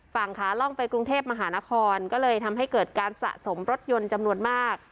ฝั่งขาล่องไปกรุงเทพมหานครก็เลยทำให้เกิดการสะสมรถยนต์จำนวนมาก